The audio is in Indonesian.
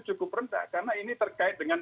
cukup rendah karena ini terkait dengan